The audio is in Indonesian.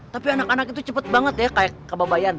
tapi anak anak itu cepet banget ya kayak kababayan